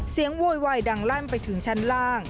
เสียงโวยวายดังล่านไปถึงชั้นล่าง